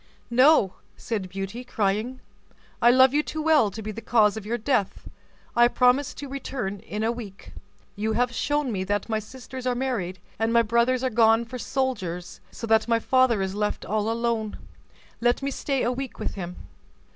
"No," said Beauty, crying, "I love you too well to be the cause of your death; I promise to return in a week. You have shown me that my sisters are married, and my brothers are gone for soldiers, so that my father is left all alone. Let me stay a week with him."